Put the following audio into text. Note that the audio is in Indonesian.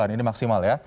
ini maksimal ya